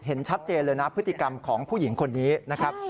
เห็นชัดเจนเลยนะพฤติกรรมของผู้หญิงคนนี้นะครับ